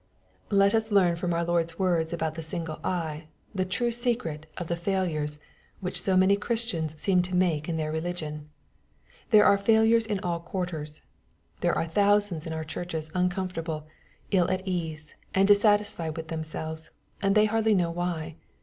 Let us learn from our Lord's words about the ^^ single eye," the true secret of the failures^ which so many Chris tians seem to make in their religion. There are failures in all quarters. There are thousands in our churches uncomfortable, ill at ease, and dissatisfied with themselves, and they hardly know why.